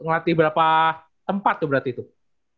ngelatih berapa tempat tuh berarti tuh